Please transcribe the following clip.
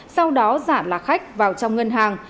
sau đó giảm lạc khách vào trong ngân hàng